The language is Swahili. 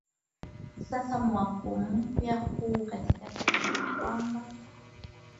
sasa mwamko mpya huu katika kenya ni kwamba